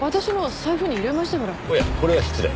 おやこれは失礼。